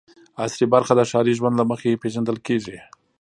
عصري برخه د ښاري ژوند له مخې پېژندل کېږي.